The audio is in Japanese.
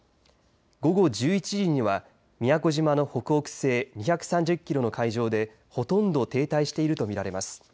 午後１１時には宮古島の北北西２３０キロの海上でほとんど停滞していると見られます。